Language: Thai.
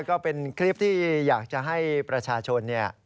ก็เป็นคลิปที่อยากจะให้ประชาชนเนี่ย